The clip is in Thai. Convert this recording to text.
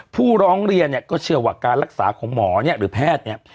ผู้ร้องเรียนก็เชื่อว่าการรักษาของหมอหรือแพทย์